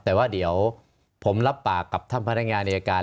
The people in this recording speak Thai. แต่ว่าเดี๋ยวผมรับปากกับท่านพนักงานอายการ